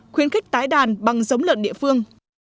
khuyến khích tái đàn bằng giống lợn địa phương